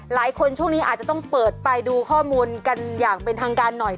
ช่วงนี้อาจจะต้องเปิดไปดูข้อมูลกันอย่างเป็นทางการหน่อย